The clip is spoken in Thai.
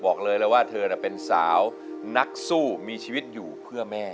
บอกเลยแล้วว่าเธอเป็นสาวนักสู้มีชีวิตอยู่เพื่อแม่